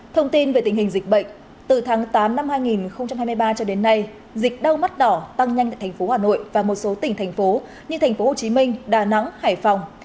thông tin về tình hình dịch bệnh từ tháng tám năm hai nghìn hai mươi ba cho đến nay dịch đau mắt đỏ tăng nhanh tại thành phố hà nội và một số tỉnh thành phố như thành phố hồ chí minh đà nẵng hải phòng